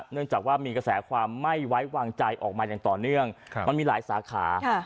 เนื่องจากว่ามีกระแสความไม่ไว้วางใจออกมาอย่างต่อเนื่องมันมีหลายสาขา